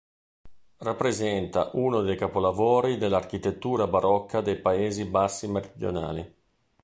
Rappresenta uno dei capolavori dell'architettura barocca dei Paesi Bassi meridionali.